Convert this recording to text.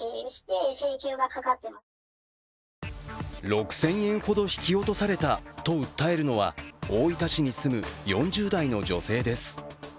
６０００円ほど引き落とされたと訴えるのは大分市に住む、４０代の女性です。